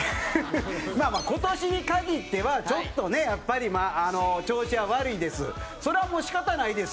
今年に限ってはちょっとね、やっぱり調子は悪いです。